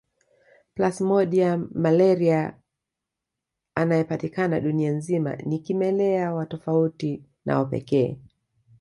Plasmodium malariae anayepatikana dunia nzima ni kimelea wa tofauti na wa pekee